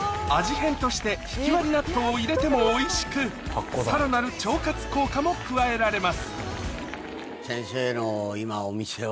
変としてひきわり納豆を入れてもおいしくさらなる腸活効果も加えられます